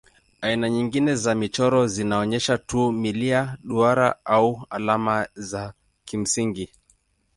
Aina nyingine za michoro zinaonyesha tu milia, duara au alama za kimsingi.